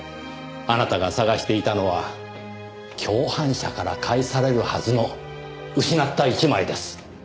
あなたが捜していたのは共犯者から返されるはずの失った１枚です。